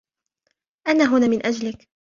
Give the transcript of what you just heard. أنا هنا من أجلك.